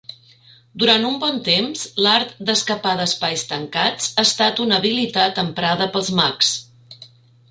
Durant un bon temps, l'art d'escapar d'espais tancats ha estat una habilitat emprada pels mags.